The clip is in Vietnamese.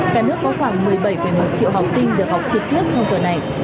cả nước có khoảng một mươi bảy một triệu học sinh được học trực tiếp trong tuần này